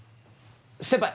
先輩！